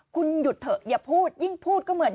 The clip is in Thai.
คุณหยุดเถอะอย่าพูดยิ่งพูดก็เหมือน